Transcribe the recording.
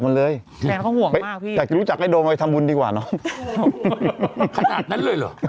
อยากจะรู้จักโดมเลยทำบุญดีกว่าน้อง